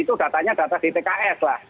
itu datanya data dtks lah